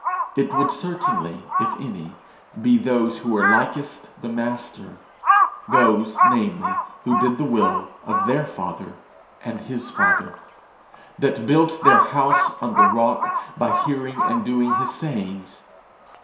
It would certainly, if any, be those who were likest the Master those, namely, that did the will of their father and his father, that built their house on the rock by hearing and doing his sayings.